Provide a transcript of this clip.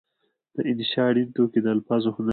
د انشأ اړین توکي د الفاظو هنري ترتیب دی.